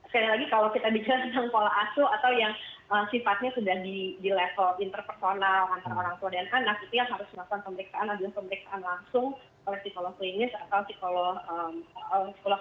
sekali lagi kalau kita bicara tentang pola asuh